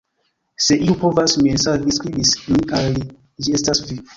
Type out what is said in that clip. "Se iu povas min savi, skribis mi al li, ĝi estas vi."